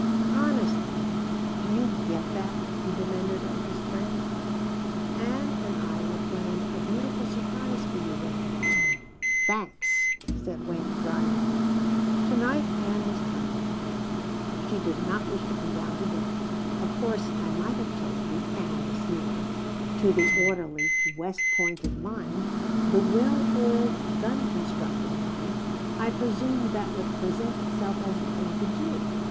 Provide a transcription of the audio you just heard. "Honestly now, do you get that?" he demanded of his friend. "Ann and I had planned a beautiful surprise for you, Wayne." "Thanks," said Wayne drily. "To night Ann was tired. She did not wish to come down to dinner. Of course, I might have told you: 'Ann is here.' To the orderly, West Pointed mind, the well oiled, gun constructing mind, I presume that would present itself as the thing to do.